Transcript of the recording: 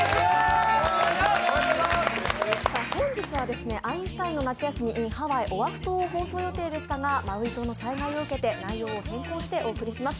本日は「アインシュタインの夏休みｉｎハワイ・オアフ島」を放送予定でしたがマウイ島の災害を受けて内容を変更してお送りします。